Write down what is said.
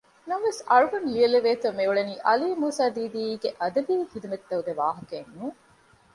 ނަމަވެސް އަޅުގަނޑު ލިޔެލެވޭތޯ މިއުޅެނީ ޢަލީ މޫސާދީދީގެ އަދަބީ ޚިދުމަތްތަކުގެ ވާހަކައެއް ނޫން